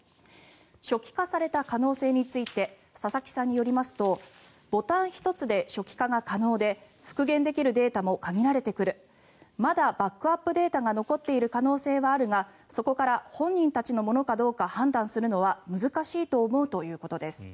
初期化された可能性について佐々木さんによりますとボタン１つで初期化が可能で復元できるデータも限られてくるまだバックアップデータが残っている可能性はあるがそこから本人たちのものかどうか判断するのは難しいと思うということです。